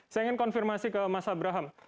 saya ingin konfirmasi ke mas abraham